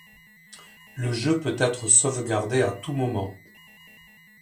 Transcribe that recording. Le jeu peut être sauvegardé à tout moment.